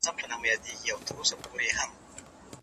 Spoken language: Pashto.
چي مي د اوښکو لاره ستړې له ګرېوانه سوله